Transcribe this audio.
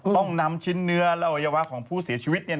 ต้องนำชิ้นเนื้อและอวัยวะของผู้เสียชีวิต